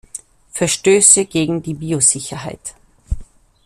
Verstöße gegen die Biosicherheit.